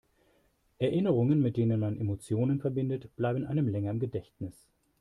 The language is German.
Erinnerungen, mit denen man Emotionen verbindet, bleiben einem länger im Gedächtnis.